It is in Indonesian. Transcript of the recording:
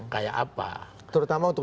kayak apa terutama untuk